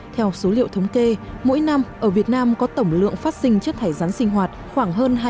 theo số liệu thống kê mỗi năm ở việt nam có tổng lượng phát sinh chất thải rắn sinh hoạt khoảng hơn hai mươi